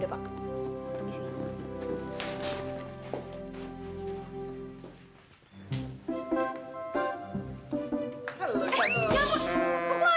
sampai nanti malam ya